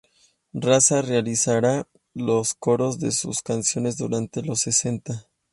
Rasa realizará los coros de sus canciones durante los sesenta.